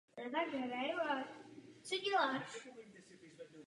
Byl členem hnutí za Velký Izrael.